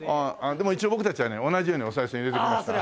でも一応僕たちはね同じようにおさい銭を入れておきましたから。